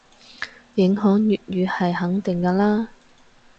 影響粵語係肯定嘅嘞